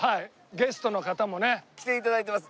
ゲストの方もね。来て頂いてます。